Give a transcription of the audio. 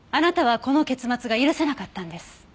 あなたはこの結末が許せなかったんです。